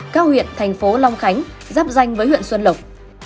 cao huyện thành phố long khánh dắp danh với huyện xuân lộc